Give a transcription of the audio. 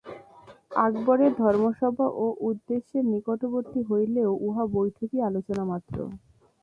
আকবরের ধর্মসভা ঐ উদ্দেশ্যের নিকটবর্তী হইলেও উহা বৈঠকী আলোচনা মাত্র।